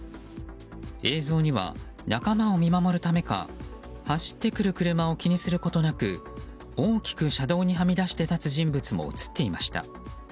映像には仲間を見守るためか走ってくる車を気にすることなく大きく車道にはみ出して立つ人物も映っていました。